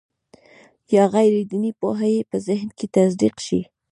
یا غیر دیني پوهه یې په ذهن کې تزریق شي.